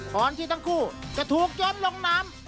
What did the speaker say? ขอนที่ทั้งคู่จะถูกเจ้ามลงน้ำ